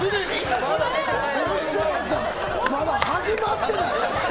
まだ始まってもない。